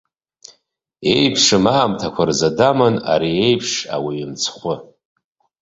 Еиԥшым аамҭақәа рзы даман ари иеиԥш ауаҩы мцхәы.